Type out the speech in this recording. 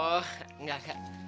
oh nggak kak